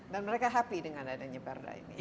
mereka happy dengan adanya perda ini